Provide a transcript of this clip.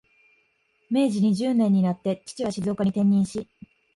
明治二十年になって、父は静岡に転任し、